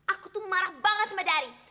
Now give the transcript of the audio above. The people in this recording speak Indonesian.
aku tuh marah banget sama dari